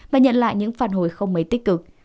và nhận lại những phản hồi không mấy tích cực